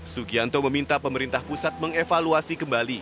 sugianto meminta pemerintah pusat mengevaluasi kembali